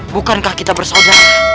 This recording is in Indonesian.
bukankah kita bersaudara